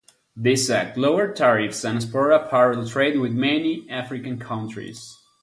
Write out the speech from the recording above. This act lowered tariffs and spurred apparel trade with many African countries.